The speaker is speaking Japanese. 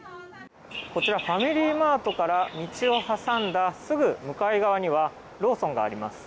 ファミリーマートから道を挟んだすぐ向かい側にはローソンがあります。